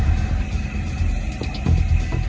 เพราะว่าเมืองนี้จะเป็นที่สุดท้าย